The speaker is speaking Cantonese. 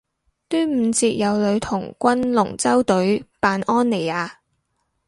端午節有女童軍龍舟隊扮安妮亞